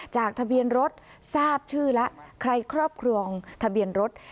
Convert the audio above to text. จากทะเบียนรถทราบชื่อแล้วใครครอบครองทะเบียนรถ